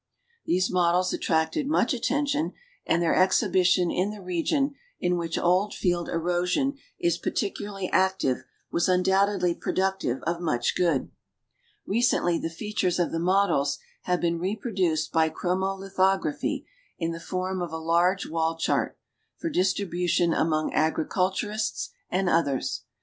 These models attracted much attention, and their exhibition in the region in which old field erosion is particularly active was undoubtedly productive of much good. Recently the features of the models have been reproduced by chromo lithography in the form of a large wall chart, for distribution among agriculturists and others.